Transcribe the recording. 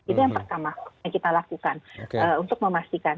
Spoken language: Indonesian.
itu yang pertama yang kita lakukan untuk memastikan